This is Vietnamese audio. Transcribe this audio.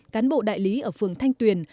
cán bộ đại lý ở phường thanh tuyền